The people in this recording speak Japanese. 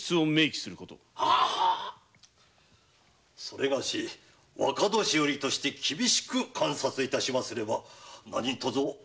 それがし若年寄として厳しく監察致しますればなにとぞご安心を。